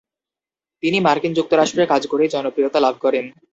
তিনি মার্কিন যুক্তরাষ্ট্রে কাজ করেই জনপ্রিয়তা লাভ করেন।